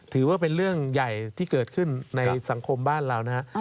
ถือว่าเป็นเรื่องใหญ่ที่เกิดขึ้นในสังคมบ้านเรานะครับ